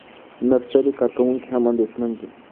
نرسري کارکوونکي هم اندېښمن دي.